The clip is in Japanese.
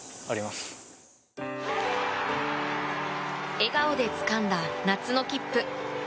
笑顔でつかんだ夏の切符。